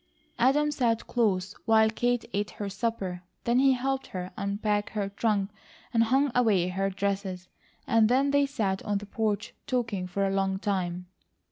Adam sat close while Kate ate her supper, then he helped her unpack her trunk and hang away her dresses, and then they sat on the porch talking for a long time.